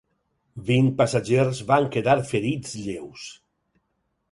Vint passatgers van quedar ferits lleus.